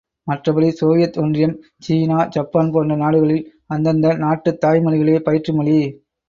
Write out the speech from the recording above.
மற்றபடி சோவியத் ஒன்றியம், சீனா, சப்பான் போன்ற நாடுகளில் அந்தந்த நாட்டுத் தாய்மொழிகளே பயிற்று மொழி!